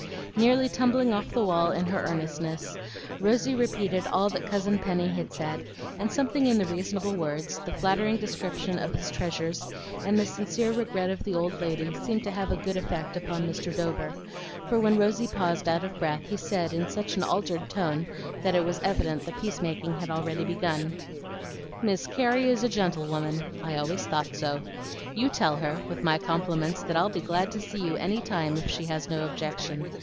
Nearly tumbling off the wall in her earnestness, Rosy repeated all that Cousin Penny had said; and something in the reasonable words, the flattering description of his treasures, and the sincere regret of the old lady seemed to have a good effect upon Mr. Dover, for when Rosy paused out of breath, he said in such an altered tone that it was evident the peacemaking had already begun, "Miss Carey is a gentlewoman! I always thought so. You tell her, with my compliments, that I'd be glad to see you any time if she has no objection.